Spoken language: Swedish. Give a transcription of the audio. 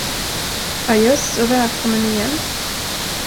Ajöss och välkommen igen.